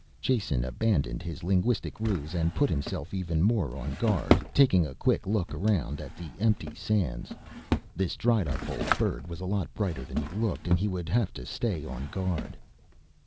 Jason abandoned his linguistic ruse and put himself even more on guard, taking a quick look around at the empty sands. This dried up old bird was a lot brighter than he looked and he would have to stay on guard.